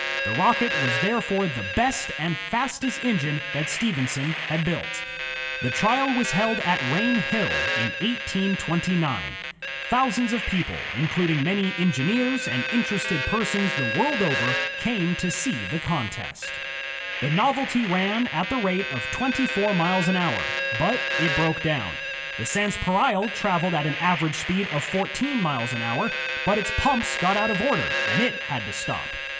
The Rocket was therefore the best and fastest engine that Stephenson had built. The trial was held at Rainhill, in 1829. Thousands of people, including many engineers and interested persons the world over, came to see the contest. The Novelty 70 INVENTIONS OF STEAM AND ELECTRIC POWER ran at the rate of twenty four miles an hour, but it broke down. The Sanspareil traveled at an average speed of fourteen miles an hour, but its pumps got out of order and it had to stop.